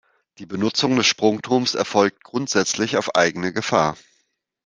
Die Benutzung des Sprungturms erfolgt grundsätzlich auf eigene Gefahr.